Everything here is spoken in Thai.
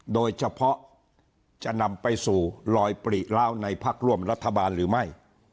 โดยเฉพาะจะนำไปสู่ลอยปริล้าวในพักร่วมรัฐบาลหรือไม่